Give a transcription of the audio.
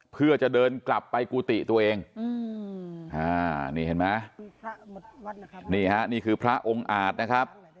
เพื่อจะเดินกลับไปกุฏิตัวเองนี่เห็นไหมนี่ฮะนี่คือพระองค์อาจนะครับ